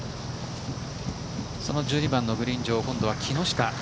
その１２番のグリーン上今度は木下。